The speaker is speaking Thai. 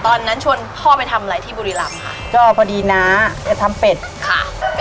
ตอนนั้นชวนพ่อไปทำอะไรที่บุรีรำค่ะก็พอดีน้าจะทำเป็ดค่ะ